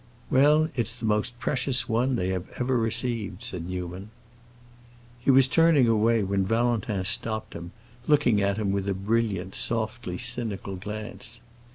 "Well, it's the most precious one they have ever received," said Newman. He was turning away when Valentin stopped him, looking at him with a brilliant, softly cynical glance.